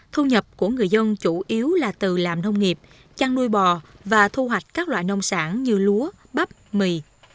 thu nhập của người dân chủ yếu là từ làm nông nghiệp chăn nuôi bò và thu hoạch các loại nông sản như lúa bắp mì